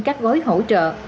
các gói hỗ trợ